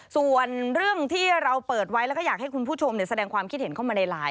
ส่วนเรื่องที่เราเปิดไว้แล้วก็อยากให้คุณผู้ชมแสดงความคิดเห็นเข้ามาในไลน์